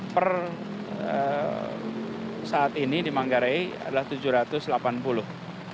per saat ini di manggarai adalah tujuh ratus delapan puluh